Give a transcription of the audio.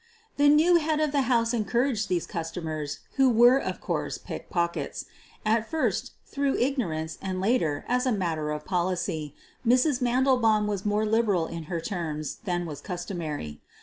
The new head of the house encouraged these cus tomers, who were, of course, pickpockets. At first, through ignorance, and later, as a matter of policy, Mrs. Mandelbaum was more liberal in her terms than was customary.